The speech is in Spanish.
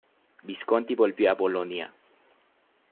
Visconti volvió a Bolonia.